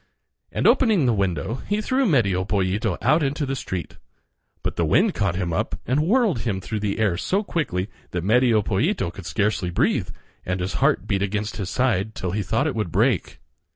And opening the window he threw Medio Pollito out in the street. But the wind caught him up and whirled him through the air so quickly that Medio Pollito could scarcely breathe, and his heart beat against his side till he thought it would break.